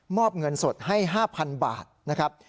อบเงินสดให้๕๐๐๐บาทนะครับ